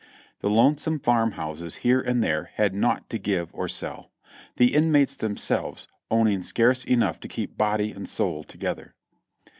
The lonesome farm houses here and there had naught to give or sell ; the inmates themselves owning scarce enough to keep body and soul together.